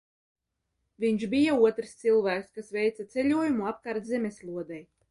Viņš bija otrs cilvēks, kas veica ceļojumu apkārt zemeslodei.